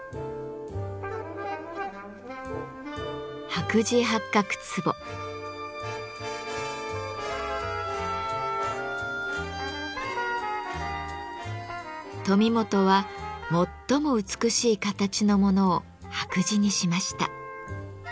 「白磁八角壺」。富本は最も美しい形のものを白磁にしました。